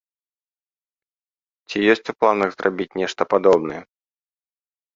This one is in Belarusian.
Ці ёсць у планах зрабіць нешта падобнае?